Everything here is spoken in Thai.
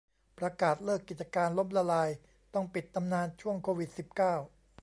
ประกาศเลิกกิจการ ล้มละลาย ต้องปิดตำนานช่วง โควิด สิบเก้า